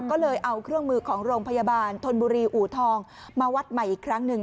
ก็เลยเอาเครื่องมือของโรงพยาบาลธนบุรีอูทองมาวัดใหม่อีกครั้งหนึ่ง